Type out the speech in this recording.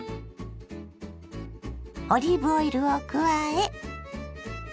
オリーブオイルを加え。